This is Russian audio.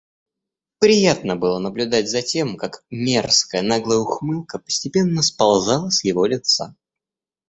Приятно было наблюдать за тем, как мерзкая, наглая ухмылка постепенно сползала с его лица.